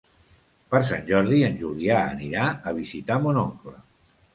Per Sant Jordi en Julià anirà a visitar mon oncle.